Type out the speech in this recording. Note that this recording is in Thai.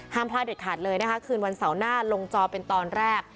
พลาดเด็ดขาดเลยนะคะคืนวันเสาร์หน้าลงจอเป็นตอนแรก